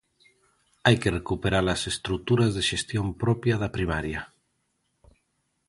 Hai que recuperar as estruturas de xestión propia da primaria.